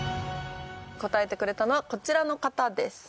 答えてくれたのはこちらの方です。